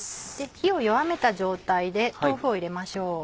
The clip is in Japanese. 火を弱めた状態で豆腐を入れましょう。